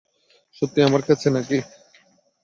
সত্যিই আমার কাছে নাকি?